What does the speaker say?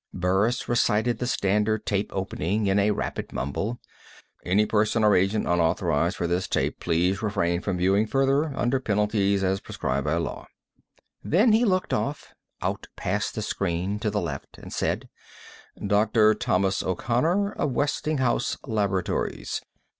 Burris recited the standard tape opening in a rapid mumble: "Any person or agent unauthorized for this tape please refrain from viewing further, under penalties as prescribed by law." Then he looked off, out past the screen to the left, and said: "Dr. Thomas O'Connor, of Westinghouse Laboratories.